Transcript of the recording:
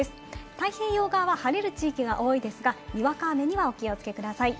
太平洋側は晴れる地域が多いですが、にわか雨にはお気をつけください。